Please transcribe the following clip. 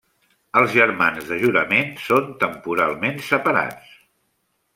Els germans de jurament són temporalment separats.